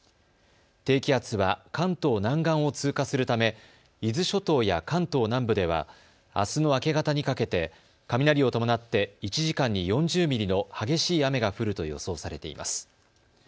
低気圧は関東南岸を通過するため伊豆諸島や関東南部ではあすの明け方にかけて雷を伴って１時間に４０ミリの激しい雨が降ると予想されています。